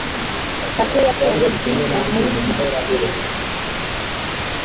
sitasiyo ya polisi bumwegereye